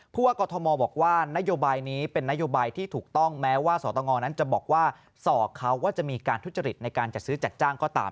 ว่ากรทมบอกว่านโยบายนี้เป็นนโยบายที่ถูกต้องแม้ว่าสตงนั้นจะบอกว่าสอกเขาว่าจะมีการทุจริตในการจัดซื้อจัดจ้างก็ตาม